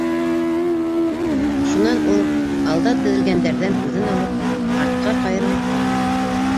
Шунан ул, алда теҙелгәндәрҙән күҙен алып, артҡа ҡайырылып ҡараны.